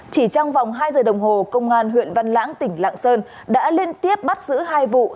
chỉ trong vòng hai giờ đồng hồ công an huyện văn lãng tỉnh lạng sơn đã liên tiếp bắt giữ hai vụ